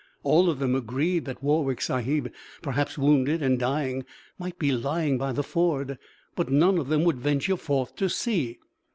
All of them agreed that Warwick Sahib, perhaps wounded and dying, might be lying by the ford, but none of them would venture forth to see.